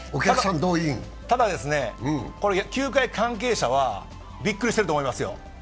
ただ、球界関係者はこれ、びっくりしてると思いますよ。